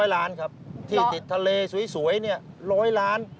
๐ล้านครับที่ติดทะเลสวย๑๐๐ล้าน